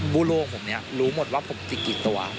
ผู้โลกผมเนี่ยรู้หมดว่าผมจิกกี่ตัว